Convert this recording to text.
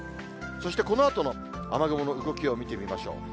そしてこのあとの雨雲の動きを見てみましょう。